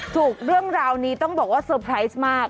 เรื่องราวนี้ต้องบอกว่าเซอร์ไพรส์มาก